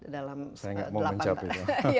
saya nggak mau mencapai